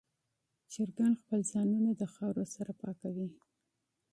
چرګان خپل ځانونه د خاورو سره پاکوي.